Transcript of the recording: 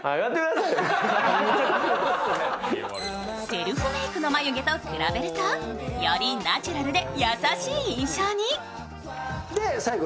セルフメークの眉毛と比べるとよりナチュラルで優しい印象に。